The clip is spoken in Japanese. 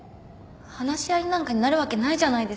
話し合いなんかになるわけないじゃないですか。